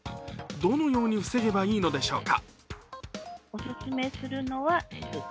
どのように防げばいいのでしょうか。